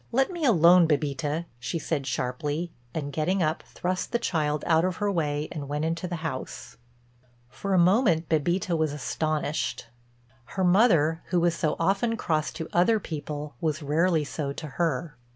"Let me alone, Bébita," she said sharply and, getting up, thrust the child out of her way and went into the house. For a moment Bébita was astonished. Her mother, who was so often cross to other people, was rarely so to her.